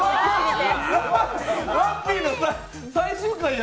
ラッピーの最終回や。